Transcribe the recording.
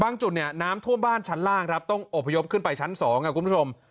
จุดเนี่ยน้ำท่วมบ้านชั้นล่างครับต้องอบพยพขึ้นไปชั้น๒ครับคุณผู้ชม